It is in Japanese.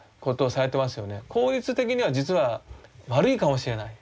効率的には実は悪いかもしれない。